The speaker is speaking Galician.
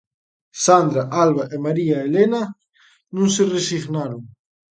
Sandra, Alba e María Elena non se resignaron.